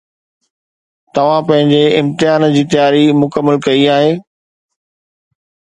توهان پنهنجي امتحان جي تياري مڪمل ڪئي آهي